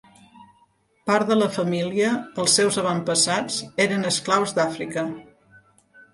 Part de la família, els seus avantpassats, eren esclaus d'Àfrica.